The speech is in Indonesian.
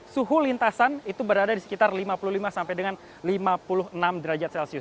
suhu lintasan itu berada di sekitar lima puluh lima sampai dengan lima puluh enam derajat celcius